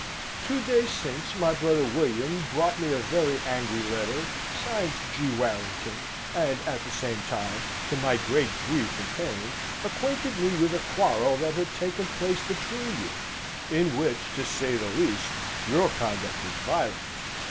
Two days since my brother William brought me a very angry letter, signed G. Warrington, and at the same time, to my great grief and pain, acquainted me with a quarrel that had taken place between you, in which, to say the least, your conduct was violent.